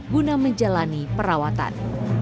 guna menjalani perawatan